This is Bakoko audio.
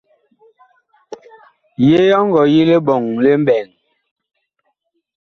Yee ɔ ngɔ yi liɓɔŋ li mɓɛɛŋ ?